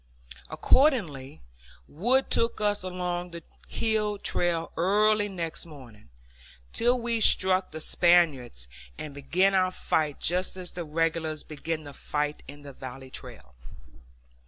Accordingly Wood took us along the hill trail early next morning, till we struck the Spaniards, and began our fight just as the regulars began the fight in the valley trail.